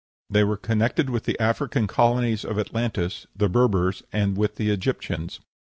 They were connected with the African colonies of Atlantis, the Berbers, and with the Egyptians.